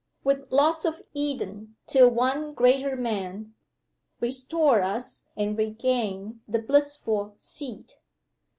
With loss of Eden till one greater Man. Restore us and regain the blissful seat.